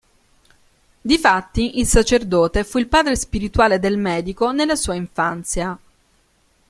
Difatti, il sacerdote fu il padre spirituale del medico nella sua infanzia.